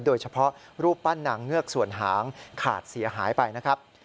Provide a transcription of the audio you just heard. รูปปั้นนางเงือกส่วนหางขาดเสียหายไปนะครับ